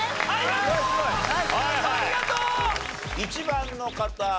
１番の方。